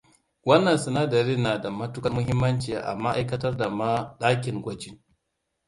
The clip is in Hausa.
Wannan sinadarin na da matuƙar muhimmanci a ma'aikatar da ma ɗakin gwajin.